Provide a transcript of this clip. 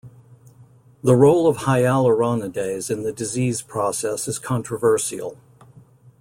The role of hyaluronidase in the disease process is controversial.